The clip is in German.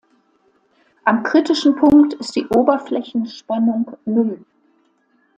Am kritischen Punkt ist die Oberflächenspannung Null.